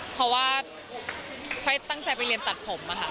เพราะว่าค่อยตั้งใจไปเรียนตัดผมค่ะ